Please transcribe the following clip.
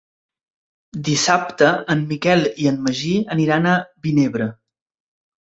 Dissabte en Miquel i en Magí aniran a Vinebre.